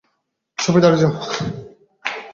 সবাই দাঁড়িয়ে যাও।